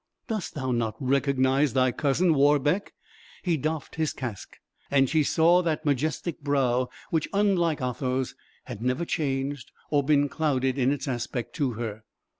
"Dost thou not recognize thy cousin Warbeck?" He doffed his casque, and she saw that majestic brow which, unlike Otho's, had never changed or been clouded in its aspect to her.